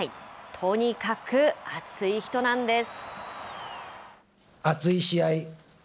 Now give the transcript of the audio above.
とにかく熱い人なんです。